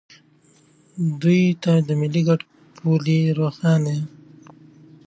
دوی ته د ملي ګټو پولې روښانه